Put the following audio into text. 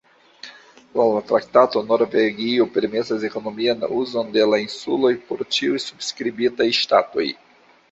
Laŭ la traktato, Norvegio permesas ekonomian uzon de la insuloj por ĉiuj subskribitaj ŝtatoj.